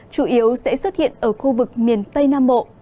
chủ yếu sẽ xuất hiện ở khu vực miền tây nam bộ